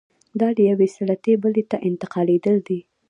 دا له یوې سلطې بلې ته انتقالېدل دي.